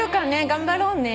頑張ろうね。